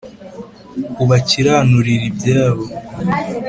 ubakiranurire ibyabo.